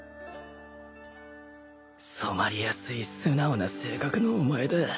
染まりやすい素直な性格のお前だ